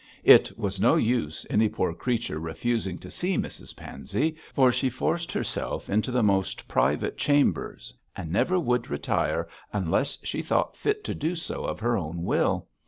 It was no use any poor creature refusing to see Mrs Pansey, for she forced herself into the most private chambers, and never would retire unless she thought fit to do so of her own will.